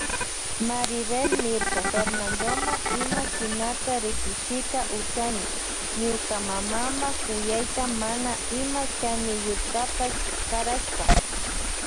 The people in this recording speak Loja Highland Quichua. Maribel niyrka Fernandoma ima shinata rikuchita ushani ñuka mamama kuyayta mana ima chaniyuktapash karashpa.